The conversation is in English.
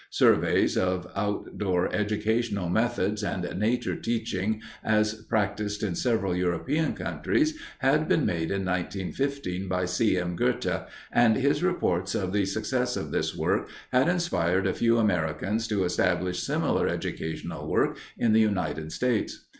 Surveys of outdoor educational methods and nature teaching as practiced in several European countries had been made in 1915 by C. M. Goethe, and his reports of the success of this work had inspired a few Americans to establish similar educational work in the United States.